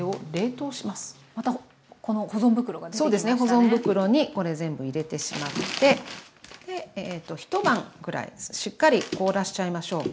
保存袋にこれ全部入れてしまって一晩ぐらいしっかり凍らしちゃいましょう。